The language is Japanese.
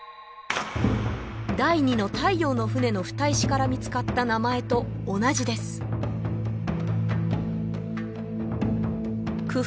第二の太陽の船の蓋石から見つかった名前と同じです